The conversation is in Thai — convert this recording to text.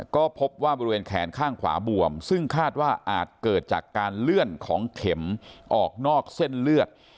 ก็พบว่าบริเวณแขนข้างขวาบวมซึ่งคาดว่าอาจเกิดจากการเลื่อนของเข็มออกนอกเส้นเลือด